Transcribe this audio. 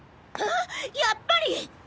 あやっぱり！？